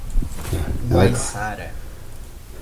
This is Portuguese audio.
Guaiçara